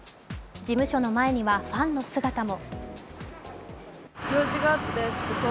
事務所の前にはファンの姿も。